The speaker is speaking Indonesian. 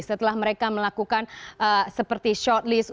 setelah mereka melakukan seperti shortlist